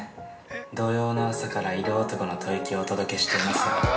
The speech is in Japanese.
土曜の朝から色男の吐息をお届けしていますよ！